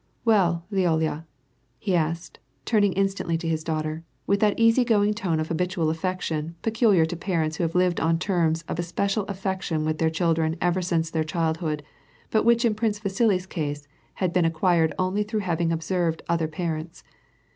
" Well, Lyolya," he asked, turning instantly to his daughter, in that easy going tone of habitual affection peculiar to parents who have lived on terms of especial affec tion with their children ever since their childhood, but which in Prince Vasili's case had been acquired only through hav ing observed other parents.